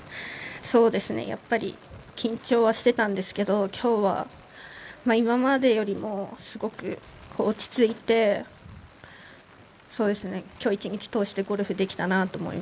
そうですね、やっぱり緊張はしてたんですけど今日は今までよりもすごく落ち着いてそうですね、今日１日通してゴルフできた